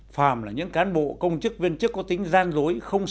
phạm là những cán bộ công chức viên chức có tính gian rối không sợi